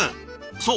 そう。